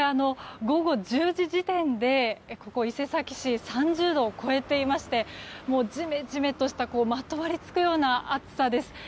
午後１０時時点でここ伊勢崎市３０度を超えていましてじめじめとしたまとわりつくような暑さです。